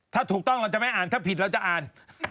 ถ้าถูกต้องเราจะไม่อ่านถ้าผิดเราจะอ่าน